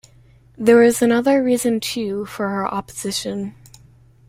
There was another reason too for her opposition.